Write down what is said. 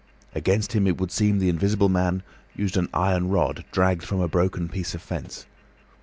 Against him it would seem the Invisible Man used an iron rod dragged from a broken piece of fence.